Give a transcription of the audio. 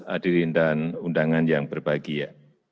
hadirin dan undangan yang berbahagia